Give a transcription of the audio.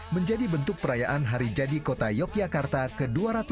menjadi bentuk perayaan hari jadi kota yogyakarta ke dua ratus dua puluh